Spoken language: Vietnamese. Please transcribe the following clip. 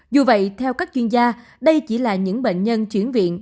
dù vậy theo các chuyên gia đây chỉ là những bệnh nhân chuyển viện